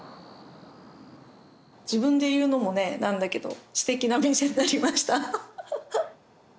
自分で言うのもねなんだけどすてきなお店になりました。